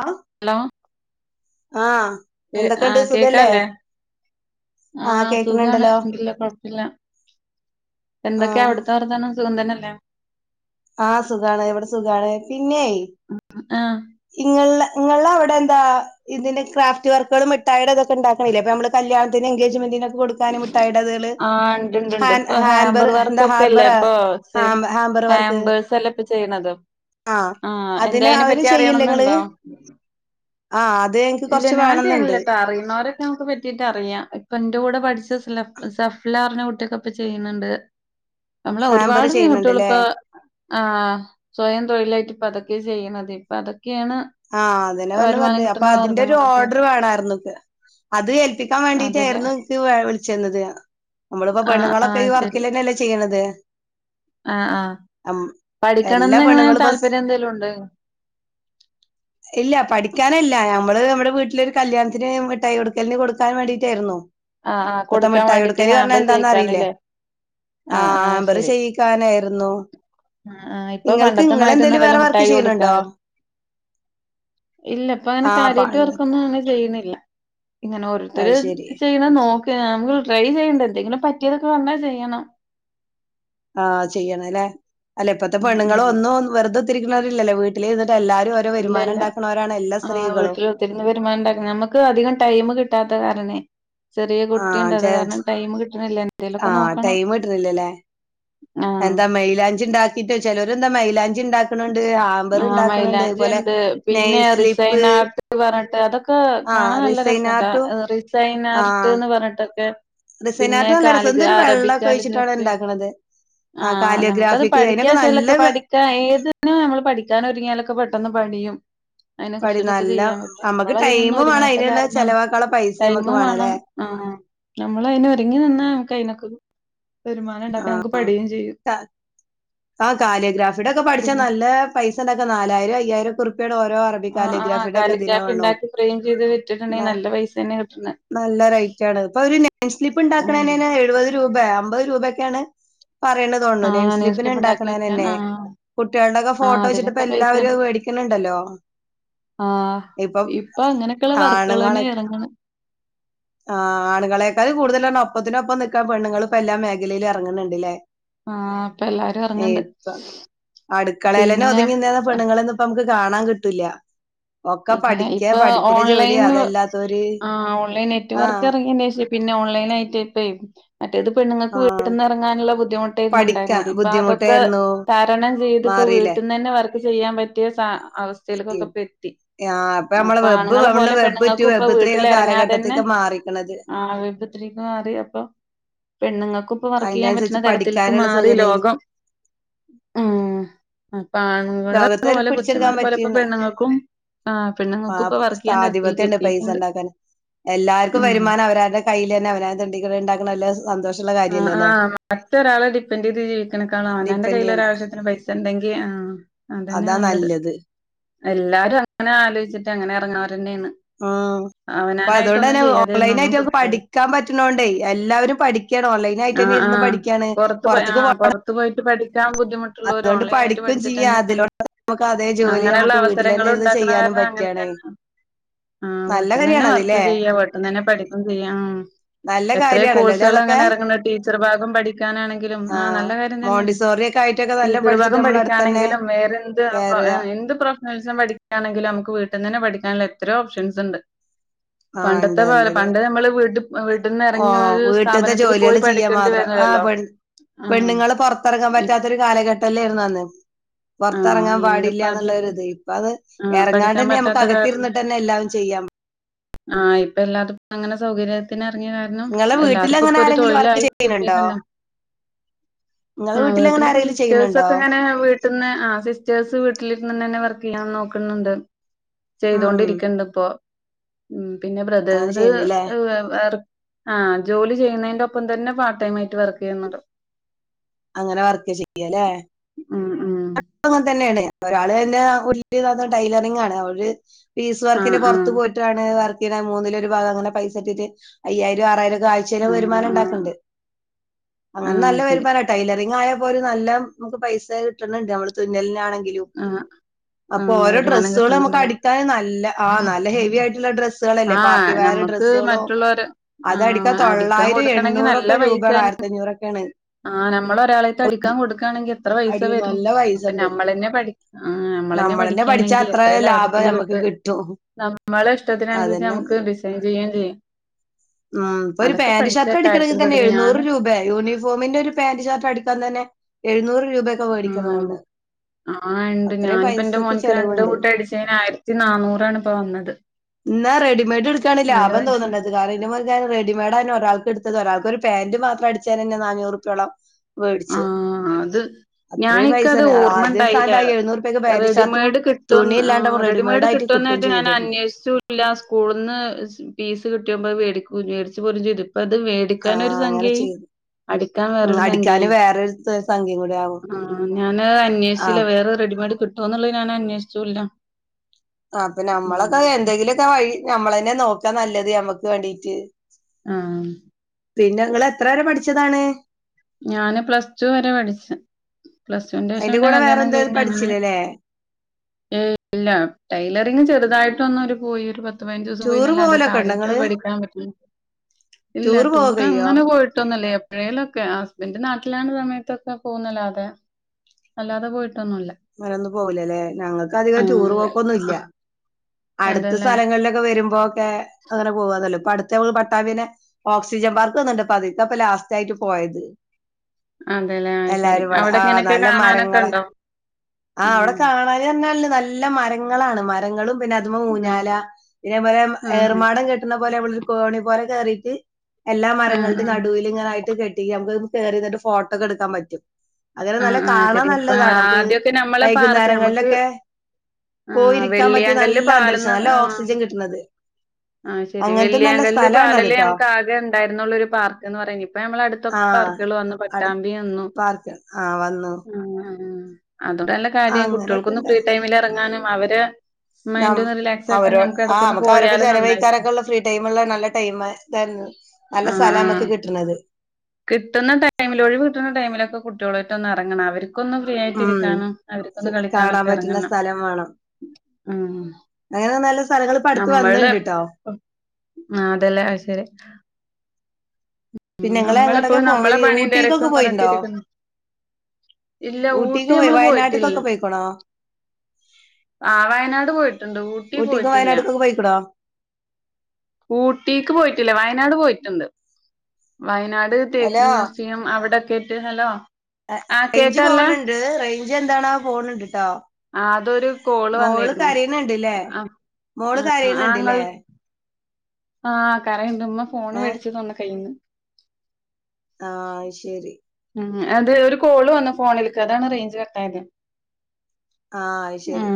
ആഹ് hello ആഹ് എന്തൊക്കെണ്ട് ഏഹ് സുഖല്ലേ കേക്കാല്ലേ? ആഹ് സുഖാണ് അൽഹംദുലില്ല കൊഴപ്പയില്ല എന്തൊക്കെയാ ആഹ് അവിടുത്തെ വർത്താനം സുഖം തന്നെയല്ലേ? ആഹ് സുഖാണ് ഇവിടെ സുഖാണ്, പിന്നെയ് ആഹ് ഇങ്ങള്ളെ ഇങ്ങള്ടെ അവിടെ എന്താ ഇതിൻ്റെ ക്രാഫ്റ്റ് വർക്കുകളും മിട്ടായിടെ ഇതൊക്കെ ഉണ്ടാക്കണില്ല ഇപ്പൊ നമ്മള് കല്യാണത്തിന് എൻങ്കേജ്മെന്റിനൊ കൊടുക്കാനും മിഠായിയുടെ അതുകള് ആഹ് ഇണ്ട്ണ്ട്ണ്ട് ഹാൻ ഇപ്പൊ ഹാൻബർ ഹാമ്പർ എന്താ ഹാർബറാ ഹാം ഹാം ഹാബേഴ്സ് അല്ല ഇപ്പോ ചെയ്യണത്. ആഹ് എന്താ അതിന് അതിനെ അവര് പറ്റി ചെയ്യില്ലേ ഇങ്ങള് അറിയണമെന്നുണ്ടോ? ആഹ് അത് എനിക്ക് ഇല്ല കൊറച്ച് ഞാൻ വേണംന്നുണ്ട് ചെയ്യണില്ലട്ടോ അറിയുന്നവരൊക്കെ നമുക്ക് പറ്റിട്ട് അറിയാം ഇപ്പോ എന്റെ കൂടെ പഠിച്ച ല സഫ്‌ലാ പറഞ്ഞ കുട്ടിയൊക്കിപ്പൊ ചെയ്യന്നുണ്ട്. നമ്മള ഹാമ്പർ ഒരുപാട് ചെയ്യണണ്ട്ല്ലേ പെൺകുട്ടികളിപ്പോ ആ സ്വയം തൊഴിലായിട്ട് പ്പതൊക്കെ ചെയ്യുന്നത്. ഇപ്പതൊ ആഹ് അതെന്നെയാ വന്നു പറഞ്ഞത്. അപ്പൊ മാർഗങ്ങളൊക്കെ അതിന്റൊരോർഡർ വേണമായിരുന്നു എനിക്ക്. അത് ഏൽപ്പിക്കാൻ അതെല്ലേ വേണ്ടിട്ടായിരുന്നു ങ്ങ്ക്ക് വിളിച്ചിരുന്നത്. നമ്മളിപ്പോ പെണ്ണുങ്ങളൊക്കെ ഈ ആഹ് ശരി വർക്കിൽ തന്നെയല്ലേ ചെയ്യണത്. ആഹ് ആഹ്. എല്ലാ പഠിക്കണംന്ന് എങ്ങനെ പെണ്ണുങ്ങളും ഇപ്പ താല്പര്യം എന്തെലും ഉണ്ടോ ഇല്ല പഠിക്കാനല്ല നമ്മള് നമ്മുടെ വീട്ടിലൊരു കല്യാണത്തിന് മിഠായി കൊടുക്കലിന് കൊടുക്കാൻ വേണ്ടിട്ടായിരുന്നു. ആഹ് ആഹ് ഇപ്പോഴത്തെ കൊടുക്കാൻ മിഠായി വേണ്ടിട്ട് കൊടുക്കല് പറഞ്ഞാ ഹാമ്പർ എന്താന്ന് അറിയില്ലേ? ചെയ്യിക്കാന്ല്ലേ ആഹ് ആഹ് ഹാമ്പർ ശരി ചെയ്യിക്കാനായിരു ആഹ് ആഹ്. ഇപ്പൊ പണ്ടത്തെമാതിരി നിങ്ങളെന്തേലും വേറെ ഒന്നുമല്ലല്ലോ വർക്ക് മിഠായി കൊടുക്ക ചെയ്യണുണ്ടോ ഇല്ല ഇപ്പൊ അങ്ങനെ ആ കാര്യമായിട്ട് പണ്ടത്തെ വർക്കൊന്നും അങ്ങനെ ചെയ്യുന്നില്ല. ഇങ്ങനെ ഓരോരുത്തർ അത് ശരി ചെയ്യുന്നത് നോക്ക ട്ട് നമുക്ക് ട്രൈ ചെയ്യണ്ടെ എന്തെങ്കിലും പറ്റിയതൊക്കെ വന്നാൽ ചെയ്യണം. ആഹ് ചെയ്യണ്ലെ അല്ല ഇപ്പത്തെ ഉം ഉം പെണ്ണുങ്ങളൊന്നും വെറുതെകുത്തിരിക്കുന്നവരില്ലല്ലോ വീട്ടിലിരു ഓരോ ഇല്ല ഇല്ല വരുമാനമുണ്ടാക്കണവരാണ് ആഹ് വീട്ടിൽ കുത്തിരുന്ന് വരുമാനമുണ്ടാകുന്നു നമ്മക്ക് അധികം ടൈം കിട്ടാത്ത കാരണേ ചെറിയ കുട്ടിയുണ്ട് അത് കാരണം ടൈം കിട്ടണില്ല എന്തേലൊക്കെ ആഹ് നോക്കണം ടൈം കിട്ടുന്നില്ലലെ ആഹ് എന്താ മൈലാഞ്ചി ഉണ്ടാക്കിട്ടോ ചിലർ എന്താ മൈലാൻ ആ മൈലാഞ്ചി അതുപോലെ ഉണ്ട് നെയിൽ പിന്നെ സ്ലിപ്പ് റിസൈൻ ആർട്ട് പറഞ്ഞിട്ട് അതൊക്കെ ആ കാണാൻ നല്ല റിസൈൻ രസാട്ടാ ആർട്ടും റിസൈൻ ആ ആർട്ട് എന്ന് പറഞ്ഞിട്ടൊക്കെ റിസൈൻ പിന്നെ ആർട്ട് നല്ല രസം കാലിഗ്ര എന്തൊരു അറബിക് വെള്ളമൊക്കെ ഒഴിച്ചിട്ടാണ് കാലിഗ്രാഫി ഉണ്ടാക്കണത് ആ ആഹ് നമുക്കത് കാലിയോഗ്രാഫിക്ക് പഠിക്കാ അതിനൊക്കെ നല്ല വെച്ചാലൊക്കെ വെ- പഠിക്കാ ഏത് നമ്മൾ പഠിക്കാനൊരുങ്ങിയാലൊക്കെ പെട്ടന്ന് പഠിയും അതിനെ പടി കുുറിച്ചിട്ടൊക്കെ നല്ല ചെയ്യാൻ പറ്റും നമുക്ക് നമ്മൾ അതിനൊന്നും ടൈമും വേണം ഒരുങ്ങാത്ത അതിനുള്ള കാരണം ചെലവാക്കാനുള്ള പൈസ ടൈം നമുക്ക് അല്ലെ വേണം ആഹ് നമ്മളതിനൊരുങ്ങി നിന്നാ നമുക്ക് അതിനൊക്കെ കി ആ ചെയ്യും ആ ആ കാലയോഗ്രാഫിയുടെയൊക്കെ പഠിച്ച പിന്നെ നല്ല പൈസ ഉണ്ടാക്കാം നാലായിരം അയ്യായിരമൊക്കെ ഇപ്പോ ഇവിടെ ഓരോ അറബി ആഹ് ആഹ് കാലിഗ്രാഫിയുടെയൊക്കെ ഇതിന് കാലിഗ്രാഫി വേണോ ഉണ്ടാക്കി ഫ്രെയിം ചെയ്ത് വിറ്റിട്ടുണ്ടെങ്കിൽ നല്ല പൈസ തന്നെ കിട്ടുന്നെ നല്ല റേറ്റ് ആണ് ഇപ്പൊ ഒരു നെയിം സ്ലിപ്പ് ഉം ഉണ്ടാക്കണന് എഴുപത് രൂപ അമ്പത് രൂപയക്കെയാണ് പറയണ്ടതൊണ്ടൊ നെയിം ആഹ് ന്യൂസ് സ്ലിപ്പിന് പേപ്പർ ഉണ്ടാക്കി വെക്കാൻ ഇണ്ടാക്കണെന്നെ ആഹ് കുട്ടികളുടെക്കെ ആഹ് ഫോട്ടോ അതിനൊക്കെ വെച്ചിട്ടിപ്പം എല്ലാവരും പൈസണ്ട് അത് മേടിക്കണുണ്ടല്ലോ. ആഹ് ഇപ്പൊ അങ്ങനെക്കെള്ള വർക്കുകളന്നെ ഇറങ്ങണെ. ആഹ് ആണുകളെക്കാലും കൂടുതലെണ്ണം ഒപ്പത്തിനൊപ്പം നിക്കാൻ പെണ്ണുങ്ങളിപ്പൊ എല്ലാ മേഖലയിലും എറങ്ങണിണ്ടില്ലേ ആഹ് ഇപ്പൊ എല്ലാരും ഇറങ്ങണ്ട് ഇപ്പം അടുക്കളയിലന്നെ പിന്നെ ഒതുങ്ങിനിന്നിരുന്ന പെണ്ണുങ്ങളെ ഒന്നും ഇപ്പം നമുക്ക് കാണാൻ കിട്ടില്ല. ഇല്ല ഇപ്പൊ ഓൺലൈന് അതല്ലാത്തോര് ആഹ് ഓൺലൈൻ ആ നെറ്റ്‌വർക്ക് എറങ്ങിയേനേഷം പിന്നെ ഓൺലൈൻ ആയിട്ട് ഇപ്പേ മറ്റേത് പെണ്ണുങ്ങക്ക് ആ വീട്ട്ന്ന് ഇറങ്ങാനുള്ള ബു ദ്ധിമുട്ടായിരുന്നു പഠിക്കാൻ ഇണ്ടായിരുന്നത് ഇപ്പൊ അതൊക്കെ ബുദ്ധിമുട്ടായിരുന്നു തരണം ചെയ്തിപ്പോ മാറിയില്ല വീട്ട്ന്ന് തന്നെ വർക്ക് ചെയ്യാൻ പറ്റിയ സാ അവസ്ഥയിലേക്കൊക്കെ ഇപ്പ എത്തി. ആഹ് ഇപ്പൊ നമ്മളെ അപ്പൊ വെബ് ആണുങ്ങളെ വണ് പോലെ വെബ് ടു പെണ്ണുങ്ങക്കും ഇപ്പൊ വെബ് ത്രീ ഒക്കെ വീട്ടിലെറങ്ങാതെ തന്നെ കാലഘട്ടത്തിക്ക് മാറിക്കണത് ആ [unintelligible] മാറി അപ്പൊ പെണ്ണുങ്ങ ക്കും ഇപ്പം വർക്ക് ചെയ്യാൻ പറ്റണ അതിനനുസരിച്ച് തരത്തിലേക്ക് പഠിക്കാനുള്ള മാറി സൗകര്യായി ലോകം ഉം ആഹ് ഇപ്പാണുങ്ങളെ ലോകത്താർക്ക് പോലെ പിടിച്ചെടുക്കാൻ പുരുഷന്മാരെ പോലെ ഇപ്പോ പറ്റിന്ന് പെണ്ണുങ്ങക്കും ആഹ് ആ പെണ്ണുങ്ങക്കു ഇപ്പം വർക്ക് ചെയ്യാൻ തരത്തിലേക്ക് ആധിപത്യണ്ട് പൈസ എത്തിട്ടെണ്ട്. ഉണ്ടാക്കാൻ എല്ലാർക്കും വരുമാനം അവരുവടെ കയ്യില് തന്നെ അവരുത്ണ്ടിക്കട ഇണ്ടാക്കണ എല്ല അഹ് ആഹ് മറ്റൊരാളെ ഡിപ്പെൻഡ് ചെയ്ത് ജീവിക്കണെക്കാളും അവനവന്റെ ഡിപ്പെൻഡ് കയ്യില് ചെയ്യണ ഒരാവശ്യത്തിന് പൈസ എണ്ടെങ്കി ആഹ് അതാ നല്ലത്. എല്ലാരും അങ്ങനെ ആലോചിട്ട് അങ്ങനെ എറങ്ങണവ ആഹ് അപ്പ അതുകൊണ്ട് ഒന്നും തന്നെ ചെയ്യാതിരുന്ന ഒന്നും ഓൺലൈനായിട്ട് നമുക്ക് കിട്ടൂല പഠിക്കാൻ പറ്റണോണ്ടേ എല്ലാവരും പഠിക്കാ ണ് ഓൺലൈൻ ആയിട്ട് തന്നെ ആഹ് ഇരുന്ന് ആഹ് പഠിക്കാണ് പുറത്ത് പോയി പൊറത്തക്ക് പോ ആഹ് [unintelligible] പുറത്ത് പോയിട്ട് പഠിക്കാൻ ബുദ്ധിമുട്ടുള്ളവര് അതുകൊണ്ട് ഓൺലൈൻ ആയിട്ട് പഠിക്കും പഠിച്ചിട്ട് ചെയ്യാം തന്നെ അതിലൂടെ നമുക്ക് അതേ ജോലി നമുക്ക് വീട്ടിലന്നെ ഇരുന്ന് ചെയ്യാനും ആഹ് അങ്ങനെ പറ്റുകയാണ് തന്നെ. ആഹ് നല്ല വീട്ടന്നന്നെ കാര്യമാണ് അതില്ലേ വർക്കും ചെയ്യാം വീട്ടന്നന്നെ പഠിക്കും ചെയ്യാം ഉം നല്ല എത്രയാ കാര്യാണല്ലോ അല്ലെ കോഴ്സുകൾ അങ്ങ അതൊക്കെ നെറങ്ങണെ ടീച്ചർ ഭാഗം പഠിക്കാനാണെങ്കിലും ആ ആഹ് നല്ല കാര്യം തന്നേണ് മോണ്ടിസോറി ഒക്കെ ആയിട്ടൊക്കെ നല്ല ടീച്ചറ് പഠിച്ചിട്ട് ഭാഗം നമ്മൾ അടുത്തന്നെ പഠിക്കാണെങ്കിലും വേറെന്ത് പൊ കേറുക എന്ത് പ്രൊഫഷണലിസം പഠിക്കാണെങ്കിലും നമുക്ക് വീട്ടിന്ന ന്നെ പഠിക്കാനിള്ള എത്രയോ ഓപ്ഷൻസിണ്ട്. ആ ഉണ്ട് പണ്ടത്തെ പോലെ നല്ലത് പണ്ട് നമ്മള് വീട് വീട്ട്ന്നെറങ്ങി ഒരു സ്ഥാപനത് ജോലിയള് ചെയ്യാൻ മാത്രം. ആഹ് പെൺ ആഹ് പെണ്ണ്ങ്ങള് പൊർത്തറങ്ങാൻ ഇ പറ്റാത്ത ഒരു കാലഘട്ടല്ലേര്ന്നു അന്ന്. ആഹ് പൊർത്തറങ്ങാൻ ഇന്നിപ്പോ അത് പാടില്ലാന്നുള്ളരു ഇത്. ഇപ്പൊ അത് ആഹ് പഠിക്കാൻ എറങ്ങാണ്ടന്നെ നമുക്ക് പറ്റാത്ത അകത്തി കാരണം ഇരുന്നിട്ടന്നെ എല്ലാവും ചെയ്യാം. ആഹ് ഇപ്പൊ എല്ലാതും അങ്ങനെ സൗകര്യത്തിന് തുടങ്ങിയ കാരണം നിങ്ങളെ വീട്ടിൽ എല്ലാർക്കും അങ്ങനെ ഇപ്പൊ ഒരു ആരെങ്കിലും വർക്ക് തൊഴിലായി ചെയ്യുന്നുണ്ടോ കിട്ടിട്ടുണ്ട്. നിങ്ങളെ ആഹ് വീട്ടിൽ വീട്ടില് അങ്ങനെ ഇപ്പോ ആരെങ്കിലും സിസ്റ്റേഴ്സ് ചെയ്യുന്നുണ്ടോ ഒക്കെങ്ങനെ വീട്ടിൽന്ന് ആഹ് സിസ്റ്റേഴ്സ് വീട്ടിലിരുന്ന്ന്നെ വർക് ഞാൻ നോക്കുന്നുണ്ട് ഉം ചെയ്തോണ്ടിരിക്കണ്ട് ഇപ്പൊ ഉം പിന്നെ അങ്ങനെ ബ്രദഴ്‌സ് ചെയ്യണ്ടല്ലേ വർക്ക് ആ ജോലി ചെയ്യുന്നതിന്റെ ഒപ്പം തന്നെ പാർട്ട് ടൈം ആയിട്ട് വർക്ക് ചെയ്യുന്നുണ്ട് അങ്ങനെ വർക്ക് ചെയ്യല്ലേ ഉം ഉം അങ്ങനെ തന്നെയാണ് ഒരാള് എന്റെ ഉള്ളന്ന് ടൈലറിങ്ങ് ആണ് ഓര് പീസ് വർക്കിന് ആഹ് ആഹ് പുറത്ത് പോയിട്ടാണ് വർക്ക് ചെയ്യണ് മൂന്നിലൊ ഒരു ഭാഗ അങ്ങനെ പൈസ ഇട്ടിട്ട് അയ്യായിരം ആറായിരം ആഴ്ചയിൽ ആഹ് ആഹ് വരുമാനണ്ടാകണ്ട് അങ്ങനെ ആഹ് നല്ല ശരി വരുമാന ടൈലറിംങ്ങ് ആയ ഇപ്പം ഒരു നല്ല നമുക്ക് പൈസ കിട്ടണുന്നുണ്ട് നമ്മള് തുന്നലിനാണെങ്കി ആഹ് അപ്പോ ആഹ് ഓരോ വരുമാനം ഡ്രസ്സുകൾ നമ്മക്ക് കിട്ടുന്നുണ്ടല്ലേ അടിക്കാന് നല്ല ആ നല്ല ഹെവി ആയിട്ടുള്ള ഡ്രസ്സ് ഡ്രസ്സുകളല്ലേ ആഹ് പാർട്ടി വെയർ നമ്മക്ക് ഡ്രസ്സുകളോ മറ്റുള്ളവര് അത് അടിക്കാൻ തൊള്ളായിരം എണ്ണൂറക്കെ രൂപയാണ് അഞ്ഞൂറ്ക്കെയാണ് ആ നമ്മള് ഒരാളെത്ത് അടിക്കാൻ കൊടുക്കുകയാണെങ്കിൽ എത്ര പൈസ അടിക്കും വരും നല്ല പൈസ അപ്പ ഉണ്ട് നമ്മൾന്നെ പ നമ്മള തന്നെ നമ്മളെന്നെ പഠിച്ചാൽ പഠിക്കുകയാണെങ്കിൽ അത്ര എത്ര ലാഭം ലാഭത്തിൽ നമുക്ക് കിട്ടും കിട്ടും നമ്മളെ ഇഷ്ടത്തിന അനുസരിച്ച് നമുക്ക് ഡിസൈൻ ചെയ്യുകയും ചെയ്യാം ആ ഇപ്പൊ ഒരു അതൊക്കെ പാന്റ് പഠിച്ച ഷർട്ട്ടക്കണമെങ്കിൽ കാര്യത്തിൽ തന്നെ പെടും എഴുന്നൂറ് ഞാന് രൂപ യൂണിഫോം മിന്റെ ഒരു പാന്റ് ഷർട്ട് അടുക്കാൻ തന്നെ എഴുുന്നൂറ് രൂപയക്കെ ആഹ് മേടിക്കുന്നതാണ് ആഹ് ഉണ്ട് അത്രയും ഞാനിപ്പോ എൻന്റെ പൈസക്ക് മോനക്ക് രണ്ട ചെലവുണ്ട് കൂട്ടം അടിച്ചതിന് ആയിരത്തി നന്നൂറാണ് ഇപ്പ വന്നത് എന്നാ റെഡിമേഡ് എടുക്കാണ് നല്ല ലാഭം പൈസ തോന്നേണ്ടത് കാരണം റെഡിമെയഡ് ആെ ഒരാൾക്ക് എടുത്തത് ഒരാൾക്ക്രു പാന്റ് മാത്രം അടിച്ചാന്നെ നാനൂറുപ്യോളം വേഡിച്ച് ഞാാനിക്കത് ഓർമ്മ ഉണ്ടായില്ല ആ എഴുന്നൂറുപ്യക്ക് പാന്റ് ഷർട്ടും റെഡിമെയഡ് കിട്ടോ തുണി ഇല്ലാണ്ട് റെഡിമെയ്ഡ് റെഡിമെയഡ് ആയിട്ട് കിട്ടുകയും കിട്ടായിട്ട് ഞാൻ ചെയ്തിട്ടുണ്ട് അന്വേഷിച്ച സ്കൂളിൽ നിന്ന് ഫീസ് റ്റേടിിച്ചച്ച്ല ചെയ്തു അപ്പ അത് ആ വേടിക്കാൻൊ ഒരു അങ്ങനെ സംഖ്യായി ചെയ്തു അടുക്കാൻ ഉം വേറൊരു അടിക്കാന് സംഖ്യായി വേറൊരു സംഖ്യയും കൂടി ആകും ആ ഞാന് ആ അന്വേഷില്ല വേറെ റെഡിമെയഡ് കിട്ട തോന്നുള്ളത് ഞാൻ അന്വേഷിച്ചൂല്ല അപ്പൊ ഉം നമ്മളൊക്കെ എന്തെങ്കിലുമൊക്കെ വഴി നമ്മള തന്നെ നോക്കാ നല്ലത് മ്മക്ക് വേണ്ടീട്ട് ആഹ പിന്നെ ങ്ങ എത്ര വരെ പഠിച്ചതാണ് ഞാന് പ്ലസ് ടു വരെ പഠിച്ച പ്ലസ് ടുവിന്റെ ശേഷം അയിന്റെ പിന്നെ കൂടെ വേറെ കല്യാണം എന്ത കഴിഞ്ഞ അങ്ങനെ പഠിച്ചില്ലല്ലേ ല്ല ടൈലറിങ് ചെറുതായിട്ട് ഒന്നരു പോയി ഒരുപത് പത്തു പൈനാജൂസം ദിവസം പോയി ടൂറ് നല്ല അത പോവലൊക്കെ ഉണ്ടോ കാര്യമായിട്ട് ഇങ്ങള് പഠിക്കാൻ പറ്റില്ല ഇല്ല ടൂറ് പോവാ ടൂർ കയ്യോ അങ്ങനെ പോയിട്ടൊന്നല്ലേ എപ്പോ യിലൊക്കെ ഹസ്ബൻഡ് നാട്ടിലാണ് സമയത്തൊക്കെ പോകുന്നല്ലാതെ അല്ലാതെ പോയിട്ട് മരൊന്ന പോകലല്ലേ ഞങ്ങൾക്ക് അധികം ആഹ് ടൂറ് അല്ല പോക്കൊന്നുംല്ല അടുത്ത അതെല്ലേ സ്ഥലങ്ങളിലൊക്കെ വരുമ്പോൊക്കെ അങ്ങനെ പോവാന്നല്ലോ അടുത്ത പട്ടാമ്പനെ ഓക്സിജൻ പാർക്ക് വന്നണ്ട് ഇപ്പ അതിക്കപ്പ ലാസ്റ്റ് ആയിട്ട് പോയത് അതെല്ലേ അത് ശരി. എല്ലാരുംപടെ അവിടെ ആഹ ഇങ്ങനെയൊക്കെ നല്ല കാണാനൊക്കെ മരങ്ങള്െ ഉണ്ടോ? ആ അവിടെ ആഹ് കാണൻ തന്നാല്ലേ നല്ല മരങ്ങളാണ് മരങ്ങളും പിന്നെ അതുുമോ ആഹ് മഊഞ്ഞാല പിന്നേ പോലെ ആഹ് ഏറുമാടം കെട്ടുന്ന പോലെളൊ ഒരു കോണി പോലെ കേയറിീട്ട് എല്ലാ ആഹ് മരങ്ങളുടെ ആഹ് നടുവിില ഇങ്ങനെയിട്ട് കെട്ടി നമുക്ക് കയറിന്നിട്ട് ഫോട്ടോക്കെ എടുക്കാൻ പറ്റും അങ്ങനെ നല്ല ആഹ് ആഹ് കാണാ ശരി. ഇപ്പ നല്ലതാണ് നമുക്ക് ആദ്യൊക്കെ നമ്മളെ പാർക്ക് നമുക്ക് വൈകുന്നേരങ്ങളിലൊക്കെ ആഹ് പോയിരിക്കാൻ പറ്റിയ വെള്ളിയാങ്കല്ല് നല്ല അന്തരീം പാലന്ന് നല്ല ആഹ് ഓക്സിജൻ കിട്ടുന്നത് ആഹ് ശരി അങ്ങനത്തെ നല്ല വെല്ിയാങ്കല്ല് സ്ഥലമാണ് അത് പാലല് ട്ടോ നമുക്ക് ആകെ ഉണ്ടായിരരുന്നുള്ളരു പാർക്ക്ന്ന് പറയ ഇപ്പൊ നമ്മള അടുത്തൊ ആ പാർക്കുകൾ വന്ന്ു പട്ടാമ്പി നിന്നു ആഹ വന്നു ഉ അതടെ നല്ല കാര്യ അങ്ങനെയൊക്കെ കുട്ടികൾക്കൊന്നും ഫ്രീ ടൈമിൽ ഇറങ്ങാനും അവര് നം മൈന്ഡന്നും റിൽ അവരോ ആ നമുക്ക് അവരൊപ്പോ ചലവഴിക്കാരൊക്കെള്ള ഫ്രീ ടൈമള്ള നല്ല ടൈം ഇതരുന്നു നല്ല ആഹ് സ്ഥല ആഹ് മ്മക്ക് കിട്ടണത് കിട്ടുന്ന ടൈമിൽ ഒഴി കിട്ടുന്ന ടൈമിലൊക്കെ കുട്ടികളൊട്ട ഒന്ന് ഇറങ്ങണം അവർ അവർക്കൊന്ന് ഫ്രീ ആയിട്ട് ഉം ഇരിക്കാനോ അവർക്കൊന്ന് കളിക്കാന കാണാൻ ഒക്കെ പറ്റുന്ന ഇറങ്ങണം സ്ഥലം വേണം ഉം അങ്ങനെ നല്ല സ്ഥലങ്ങൾ ഇപ്പ അടുത്ത് നമ്മള് വന്നിണ്ട് ട്ടോ ആ അതല്ലേ ശരി ഉ പിന്നെ നിങ്ങള് നമ്മളിപ്പോ എങ്ങോട്ടൊക്കെ നമ്മളെ പോവല് പണി ഊട്ടിക്കൊക്കെ തെരക്കന്ന് പോയിണ്ടോ പറഞ്ഞിട്ടിരിക്കുന്നു ഇല്ല ഊട്ടി ഊട്ടിക്ക് പോയി നമ്മള് പോയിട്ടില്ല വയനാട്ട്ക്കൊക്കെ പോയിക്കണോ ആ വയനാട് പോയിട്ടുണ്ട് ഊട്ടി ഊട്ടിക്കും പോയിട്ടില്ല വയനാട്ട്ക്കൊക്കെ പോയിക്കണോ ഊട്ടിക്ക് പോയിട്ടില്ലേ വയനാട് പോയിട്ടുണ്ട് വയനാട് തേക്ക് ഹലോ മ്യൂസിയം അവിടൊക്കെട്ട് ഹലോ ആ കേക്കല്ല ജ എന്താണാ ഫോണ ഇണ്ടിട്ടോ അതൊരു കോള് മോള് വന്നിരുന്നു കരയന്ന ഇണ്ടല്ലേ ആഹ് മോള് ആഹ് ഇങ്ങൾ കാര്യന്നുണ്ടല്ലേ ആഹ് കരണ്ട് ഉമ്മ ഫോണ് ഏ മേടിച്ച തന്ന കയ്യിന്ന് ആഹ ശരി ഉ അത് ഒരു കോള് വന്ന ഫോണിലക്ക് അതാണ് റേഞ്ച് കട്ടാ യത് ആഹ അത് ശരി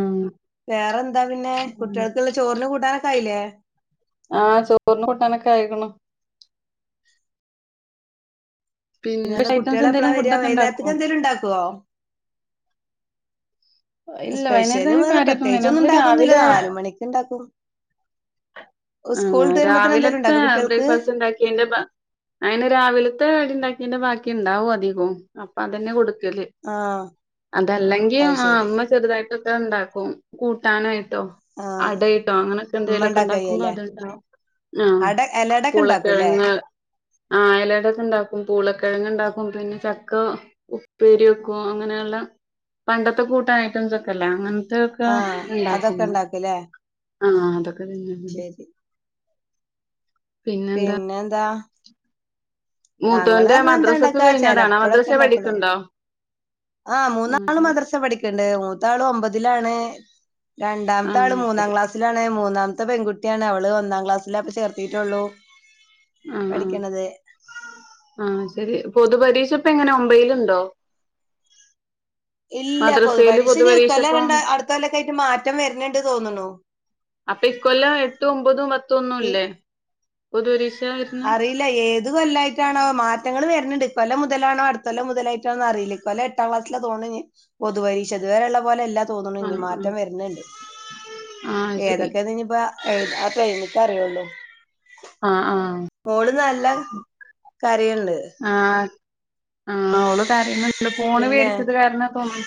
വേറെ എന്താ പിന്നെ കുട്ടികൾക്കുള്ള ചോറിന് കൂട്ടാനൊക്കെ ആയില്ലേ [unintelligible] ആഹ ചോറിന് കൂട്ടാനൊക്കെ ആയിക്കണ പിന്നെ അന്താ ഐറ്റംസ് കുട്ടികളെ എപ്പളാ എന്തേലും വെര ഫുഡൊക്കെ ഉണ്ടാക്കോ കവൈന്നേരത്തക്ക് എന്തേങ്ലും ണ്ടാക്കു ഇല്ല സ്പെഷ്യല് വൈുന്നേരത്തന്ന വേറെ കാര്യട്ടന്ന പ്രത്യേകിച്ചൊന്നും നമ്മള് ഉണ്ടാക്കൊന്നുല്ല രാവിലെ നാല് മണിക്ക് ഉണ്ടാക്കും സ്കൂൾ വിട്ട് വരുമ്പോത്തിന് എന്തേലും ആരാവിലത്തെ ഉണ്ടാക്കോ കുട്ടികൾക്ക് ബ്രേക്ക്ഫാസ്റ്റ് ഉണ്ടാക്കിയ്ന്റെ ബാ അയിന് രാവിലത്തെ അടിണ്ടാക്കി അന്റെ ബാക്കി ണ്ടാവും അധികം അപ്പൊ അതന്നെ കൊടുക്കല് ആഹ് അതല്ലെങ്കിൽ അത് ആഹ് ശരി അമ്മ ചെറുതായിട്ടൊക്കെ ഉണ്ടാക്കും കൂട്ടാനയിട്ട് ട്ടോ ആഹ് അടയിട്ടോ അങ്ങനെയൊക്കെ ഉമ്മ എന്തെലുംൊക്കെ ണ്ടാക്കുമ്പോ ഉണ്ടാക്കയ്യല്ലേ അത്ണ്ടകും അട എലടൊക്കെ ഉണ്ടാക്കൂല്ലേ ആപൂളക്കിഴങ്ങ് അയലയുടെ ഒക്കെ ഉണ്ടാക്കും പൂളക്കിഴങ്ങ് ന്നെ ചക്ക ഉപ്പേരി വെക്കും അങ്ങന ള്ള പണ്ടേ ഇ കൂട്ട ഐറ്റംസ് ഒക്കെല്ല അങ്ങനെ അതൊക്കെ ആഹ് അതൊക്കെ ഉണ്ടാകുമ്മ ഉണ്ടാക്കൂല്ലേ അതൊക്കെ തന്നെയ ശരി പിന്നെന്താ ഞങ്ങള് മൂത്തോന്റെ അർണഎന്താ മദ്രസ ഒക്കെ ണ്ടാക്കാ കഴിഞ്ഞതാണോ ചിലപ്പോഴൊക്കെ മദ്രസെ ഇണ്ടാക്കളു പഠിക്ക്ണ്ടോ ആഹ് മൂന്നാള മദർസ പഠിക്കണ്ട് മൂത്താളും ഒമ്പത് ലാണ് രണ്ടാമത്താൾ ആഹ് ആ മൂന്നാം ശരി ക്ലാസിലാണ് മൂന്നാമ ഇത്ത പെൺകുട്ടിയാണ് അവള് ഒന്നാം ക്ലാസ്സില അപ്പ ചേർത്തിട്ടുള്ളൂ പഠിക്കണത് ആഹ ശരി പൊതുപരീക്ഷ ഇപ്പൊ എങ്ങനെ മബൈയിലുണ്ടോ ഇല്ലപ്പൊദ്പരീക്ഷഞ് ഇപ്പം ഇക്കൊല്ലഅടുത്താലൊക്കെ ആയിട്ട് മാറ്റം വരണണ്ട് തോന്നണോ അപ്പൊ ഇക്കൊല്ലം എട്ടും ഒമ്പതും പത്ത ഒന്നും ഈ ഇല്ലേ പൊതുപരീക്ഷ വരുന്നെ അറിയില്ല ഏത് കൊല്ലായിട്ടാണോ മാറ്റങ്ങൾ വര അിക്ക കൊല മുതലാണോ അടുത്തല്ല മുതലായിട്ടോന്ന് അറിയില്ലലല്ല എട്ടാം ക്ലാസില തോണ പൊതുവരിശതുവരെള്ള പോലെ എല്ല തോന്നണ ഇനി ആഹ് ആഹ് മാറ്റം വരുന്നണ്ട് ആഹ് ശരി ഏതൊക്കെയ ഇനിപ്പോ ആ കയിഞ്ഞിട്ടെ അറിയോല്ലോ ആഹ് ആഹ് മോള് നല്ല കരിണ്ട് ആ അവള് കരിണ്ട് ഫോണ് മേടിച്ചത് കാരണംാ തോന്നും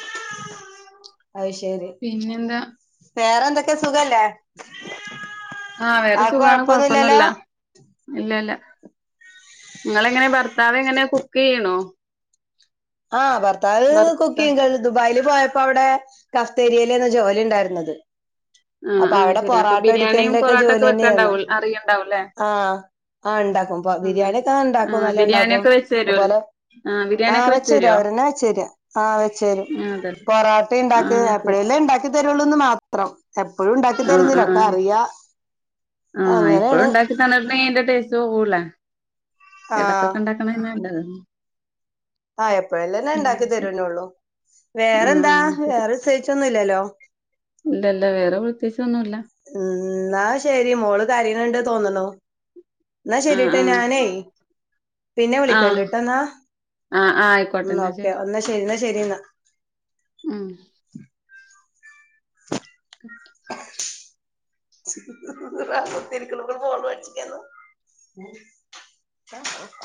അത് ശരി പിന്നെന്താ വേറെ എന്തൊക്കെ സുഖല്ലേ ആഹ് വേറെ ആക്ക സുഖാണ് കൊഴപ്പൊന്നുല്ലല്ലോ കൊഴപ്പൊന്നുല്ല ഇല്ല ഇല്ല ങ്ങളെ എങ്ങനെ ഭർത്താവ എങ്ങനെ കുക്ക് ചെയ്യണോ ആഹ് ഭർത്താവ ഭർത്ത കുക്കി ദുബായില പോയപ്പോ അവിടെ കഫ്തേരിയയിലന്ന ജോലി ണ്ടായിരുന്നത് ആഹ് അപ്പൊ ആഹ് അവിടെ ശരി അപ്പൊ പൊറാട്ടം ബിരിയാണിയും അടിക്കലന്റെ ഒക്കെ പൊറോട്ടൊക്കെ ജോലി ന്നെയ രുന്നു വെക്കണ്ടാവും അറിയണ്ടാവുംല്ലേ ആ ആഹ് ഉണ്ടാക്കും ആഹ് ബിരിയാണി ഒക്കെ ഉണ്ടാക്കും ആഹ് നല്ല ഇണ്ടാക്കും ബിരിയാണിയൊക്കെ വെച്ച് അഹ് തരോ പോലെ ആഹ് ബിരിയാണിയൊക്കെ വെ വെച്ച് ച്ചെര തരോ അവരന്നെ വെച്ചര. ആഹ് വെച്ചരും. ആഹ് അതെ പൊറാട്ടിം ഇണ്ടാക് ആഹ് ശരി എപ്പഴെലെ ഇണ്ടാക്കി തര രൊള്ളു മാത്രം. എപ്പൊഴും ഉണ്ടാക്കി ആഹ് തരൊന്നില്ല ഒക്കെ ആഹ് അറിയ ആഹ് എപ്പഴും ഉണ്ടാക്കി [unintelligible] അന്റെ ടേസ്റ്റ് പോവൂലെ ആഹ് എടക്കൊക്കെ ഉണ്ടാക്കണന്ന നല്ലത്. ആഹ് എപ്പോഴല്ലന്നെ ആഹ് ഉണ്ടാക്കി ശരി തരനള്ളൂ. ആഹ് വേറെന്താ വേറെ വിസെയിച്ചൊന്നുൽ ല്ലല്ലോ ഇല്ലല്ല വേറെ പ്രത്യേകിച്ച് ഉം ന്നാ ശരി മോള് കരിയിണുണ്ട് തോന്നുണു എന്നാ ആഹ് ശരിട്ടെ ആഹ് ഞാനേ പിന്നെ ആഹ് വിളിക്കണ്ടിട്ടോ എന്നാ ആഹ് ആഹ് ആയിക്കോട്ടെ ഉം എന്നാ ഓക്കെ ഒന്ന ശരി എന്നാ ശരി എന്നാ ഉം [unintelligible] [unintelligible]